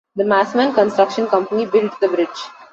The Massman Construction Company built the bridge.